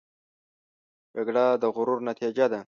جګړه د غرور نتیجه ده